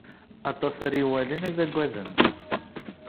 Aṭas ara iwalin, ad aggaden.